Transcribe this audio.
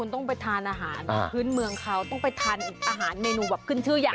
ต้องไปทานอาหารพื้นเมืองเขาต้องไปทานอาหารเมนูแบบขึ้นชื่ออย่าง